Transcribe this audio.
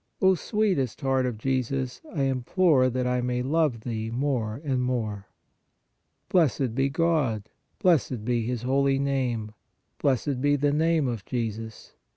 O sweetest Heart of Jesus, I implore that I may love Thee more and more. Blessed be God. Blessed be His holy Name. Blessed be the Name of Jesus.